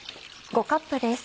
５カップです。